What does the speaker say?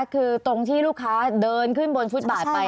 คือตรงที่ลูกค้าเดินขึ้นบนฟุตบาทไป